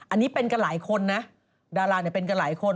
อันนี้เป็นกันหลายคนนะดาราเนี่ยเป็นกันหลายคน